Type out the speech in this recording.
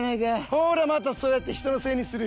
ほらまたそうやって人のせいにする。